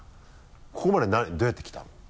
ここまでどうやって来たの？